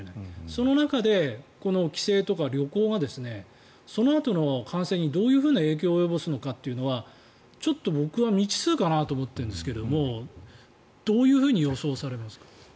その中で帰省とか旅行がそのあとの感染にどういう影響を及ぼすのかというのはちょっと僕は未知数かなと思っているんですけどどういうふうに予想されますか。